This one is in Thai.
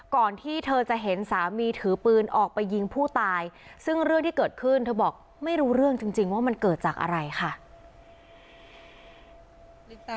ก่อนที่เธอจะเห็นสามีถือปืนออกไปยิงผู้ตายซึ่งเรื่องที่เกิดขึ้นเธอบอกไม่รู้เรื่องจริงว่ามันเกิดจากอะไรค่ะ